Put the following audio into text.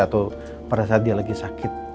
atau pada saat dia lagi sakit